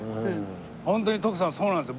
本当に徳さんそうなんですよ。